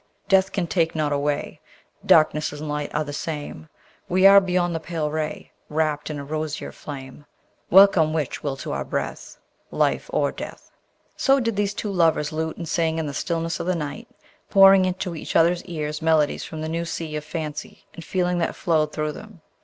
Death can take not away, Darkness and light are the same: We are beyond the pale ray, Wrapt in a rosier flame: Welcome which will to our breath; Life or death! So did these two lovers lute and sing in the stillness of the night, pouring into each other's ears melodies from the new sea of fancy and feeling that flowed through them.